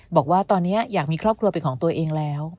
บอกว่าตอนนี้อยากมีครอบครัวเป็นของตัวเองแล้ว